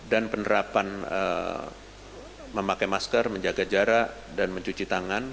dan penerapan memakai masker menjaga jarak dan mencuci tangan